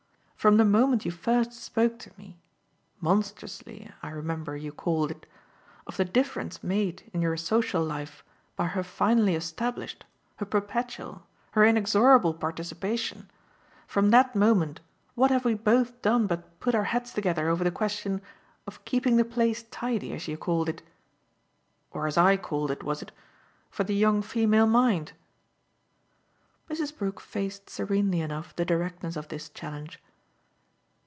From the moment you first spoke to me 'monstrously,' I remember you called it of the difference made in your social life by her finally established, her perpetual, her inexorable participation: from that moment what have we both done but put our heads together over the question of keeping the place tidy, as you called it or as I called it, was it? for the young female mind?" Mrs. Brook faced serenely enough the directness of this challenge.